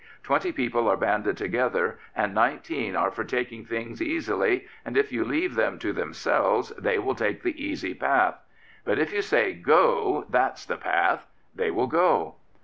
Twenty people are banded together, and nineteen are for taking things easily, and if you leave them to themselves they will take the easy path. But if you say ' Go; that's the path,' they will go.